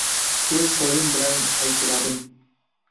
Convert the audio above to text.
O‘z qo‘lim bilan qaychiladim.